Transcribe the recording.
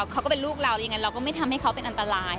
ก็เป็นลูกเรายังไงเราก็ไม่ทำให้เขาเป็นอันตราย